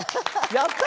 やった！